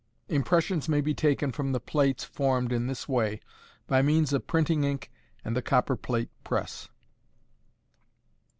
Impressions may be taken from the plates formed in this way, by means of printing ink and the copperplate press.